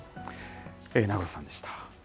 永野さんでした。